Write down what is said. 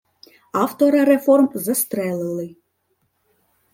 Автора реформ застрелили